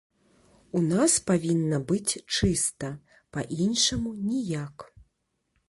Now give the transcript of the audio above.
У нас павінна быць чыста, па іншаму ніяк.